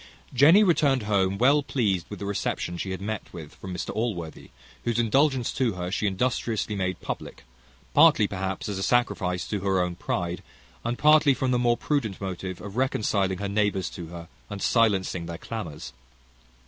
Jenny returned home well pleased with the reception she had met with from Mr Allworthy, whose indulgence to her she industriously made public; partly perhaps as a sacrifice to her own pride, and partly from the more prudent motive of reconciling her neighbours to her, and silencing their clamours.